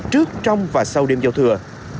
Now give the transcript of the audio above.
trước trong và sau đêm giao thừa